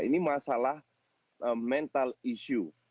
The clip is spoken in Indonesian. ini masalah mental issue